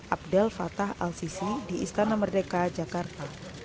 abdel fatah al sisi di istana merdeka jakarta